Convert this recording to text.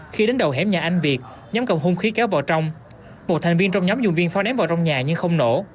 khi đến đầu hẻm nhà anh việt nhóm cầm hung khí kéo vào trong một thành viên trong nhóm dùng viên pháo ném vào trong nhà nhưng không nổ